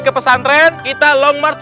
ke pesantren kita long march